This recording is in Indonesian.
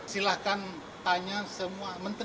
silahkan tanya semua menteri